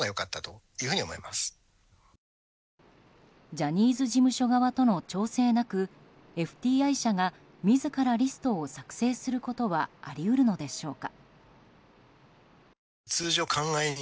ジャニーズ事務所側との調整なくＦＴＩ社が自らリストを作成することはあり得るのでしょうか。